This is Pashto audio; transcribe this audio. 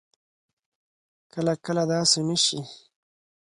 کله کله داسې نه شي